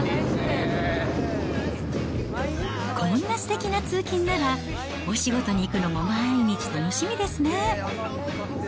こんなすてきな通勤なら、お仕事に行くのも毎日楽しみですね。